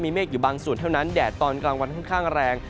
เมฆอยู่บางส่วนเท่านั้นแดดตอนกลางวันค่อนข้างแรง